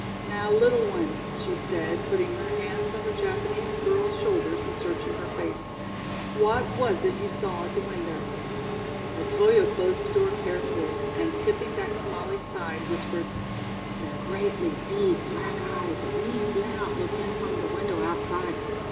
"Now, little one," she said, putting her hands on the Japanese girl's shoulders and searching her face, "what was it you saw at the window?" Otoyo closed the door carefully and, tipping back to Molly's side, whispered: "The greatly beeg black eyes of Mees Blount look in from the window outside.